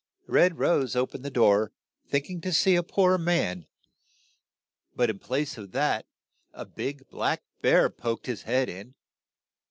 '' Red Rose o pened the door think ing to see a poor man, but in place of that a big black bear poked his head in.